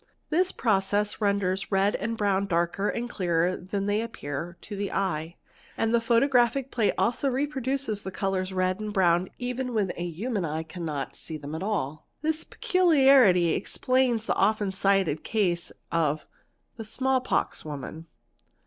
This process i en ders red and brown darker and clearer than they appear to the eye, yand the photographic plate also reproduces the colours red and brown ' ven when a human eye cannot see them at all. This peculiarity explains the often cited case of 'The small pox woman."